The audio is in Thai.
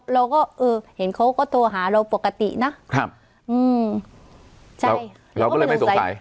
เราก็เออเห็นเขาก็โทรหาเราปกตินะครับอืมใช่เราก็เลยไม่สงสัย